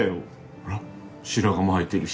ほら白髪も生えてるし。